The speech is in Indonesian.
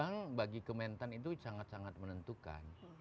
karena itu lead bank bagi kementerian itu sangat sangat menentukan